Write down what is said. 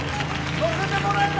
乗せてもらえた。